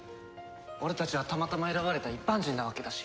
俺たちはたまたま選ばれた一般人なわけだし。